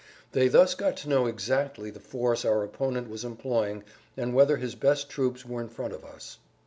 They thus got to know exactly the force our opponent was employing and whether his best troops were in front of us.